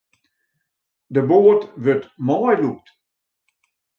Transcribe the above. De boat wurdt meilûkt.